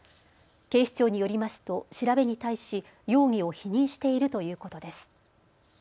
警視庁によりますと調べに対し容疑を否認しているということです。